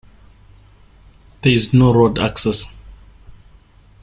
There is no road access.